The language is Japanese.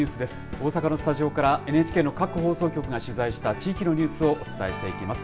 大阪のスタジオからＮＨＫの各放送局が取材した地域のニュースをお伝えてしていきます。